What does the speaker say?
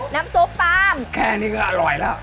น้ำซุปตามแค่นี้ก็อร่อยแล้ว